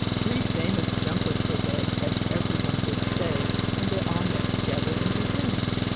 Three famous jumpers were they, as everyone would say, when they all met together in the room.